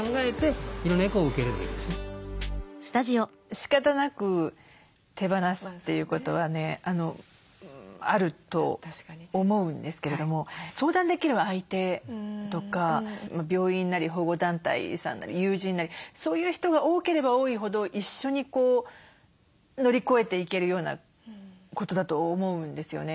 しかたなく手放すっていうことはねあると思うんですけれども相談できる相手とか病院なり保護団体さんなり友人なりそういう人が多ければ多いほど一緒に乗り越えていけるようなことだと思うんですよね。